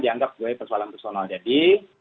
dianggap sebagai persoalan personal jadi